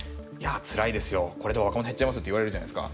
「これで若者減っちゃいます」って言われるじゃないですか。